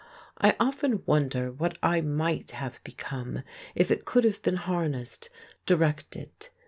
I often wonder what I might have become if it could have been harnessed, directed!